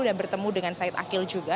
dan bertemu dengan said akil juga